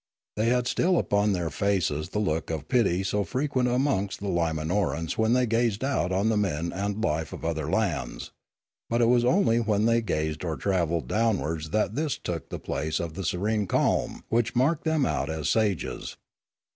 They had still upon their faces the look of pity so frequent amongst the Limanorans when they gazed out on the men and life of other lands; but it was only when they gazed or travelled downwards that this took the place of the serene calm which marked them out as sages.